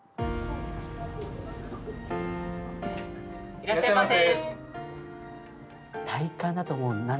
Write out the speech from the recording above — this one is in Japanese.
いらっしゃいませ。